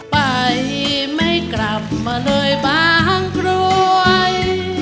ไปไม่กลับมาเลยบางกรวย